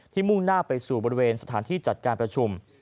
มุ่งหน้าไปสู่บริเวณสถานที่จัดการประชุม